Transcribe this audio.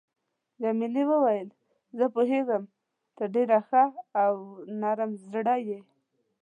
جميلې وويل: زه پوهیږم ته ډېر ښه او نرم زړی یې.